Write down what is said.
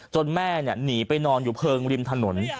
จนแม่เนี่ยหนีไปนอนอยู่เพลิงริมถนน